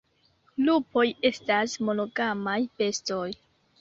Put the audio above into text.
Lupoj estas monogamaj bestoj.